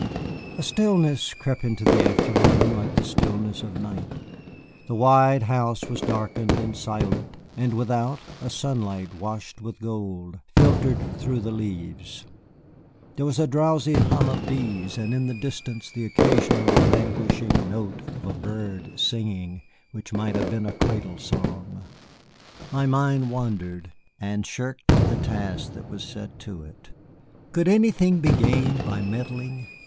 A stillness crept into the afternoon like the stillness of night. The wide house was darkened and silent, and without a sunlight washed with gold filtered through the leaves. There was a drowsy hum of bees, and in the distance the occasional languishing note of a bird singing what must have been a cradle song. My mind wandered, and shirked the task that was set to it. Could anything be gained by meddling?